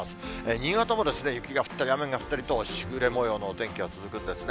新潟も雪が降ったり雨が降ったりと、しぐれもようのお天気が続くんですね。